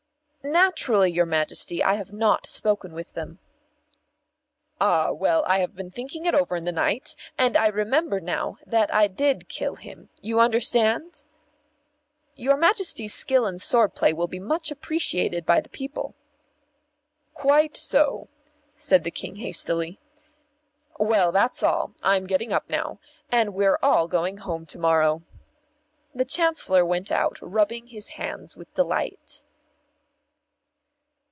"Naturally, your Majesty, I have not spoken with them." "Ah, well, I have been thinking it over in the night, and I remember now that I did kill him. You understand?" "Your Majesty's skill in sword play will be much appreciated by the people." "Quite so," said the King hastily. "Well, that's all I'm getting up now. And we're all going home to morrow." The Chancellor went out, rubbing his hands with delight.